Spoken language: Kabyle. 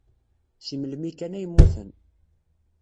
Seg melmi kan ay mmuten.